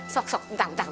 sok sok bentar bentar